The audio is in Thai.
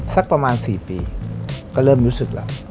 สักประมาณ๔ปีก็เริ่มรู้สึกแล้ว